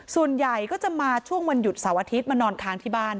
ส่วนใหญ่ก็จะมาช่วงวันหยุดเสาร์อาทิตย์มานอนค้างที่บ้าน